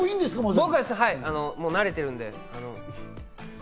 僕は慣れてるんで。